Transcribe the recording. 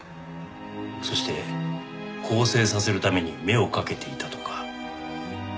そして更生させるために目をかけていたとか。